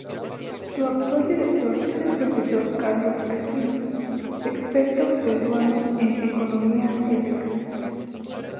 Su actual director es el profesor Carlos Aquino, experto peruano en economía asiática.